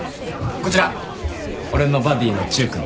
こちら俺のバディのチュウ君。